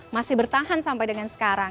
masih bertahan sampai dengan sekarang